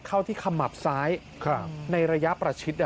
เข้าที่ขมับซ้ายในระยะประชิด